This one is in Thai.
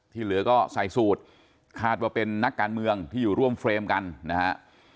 เหลือก็ใส่สูตรคาดว่าเป็นนักการเมืองที่อยู่ร่วมเฟรมกันนะฮะ